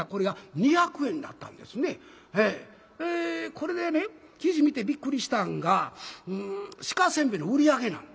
これでね記事見てびっくりしたんが鹿煎餅の売り上げなん。